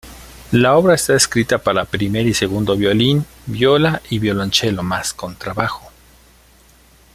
La obra está escrita para primer y segundo violín, viola, y violonchelo más contrabajo.